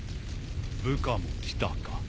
部下も来たか。